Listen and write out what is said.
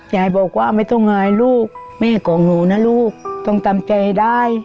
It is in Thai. ยายบอกว่าไม่ต้องอายลูกแม่ของหนูนะลูกต้องทำใจได้